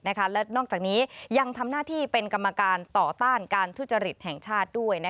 และนอกจากนี้ยังทำหน้าที่เป็นกรรมการต่อต้านการทุจริตแห่งชาติด้วย